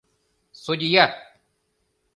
Судья!